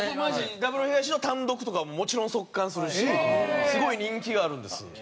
ダブルヒガシの単独とかはもちろん即完するしすごい人気があるんです。